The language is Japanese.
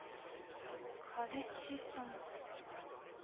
彼氏さん？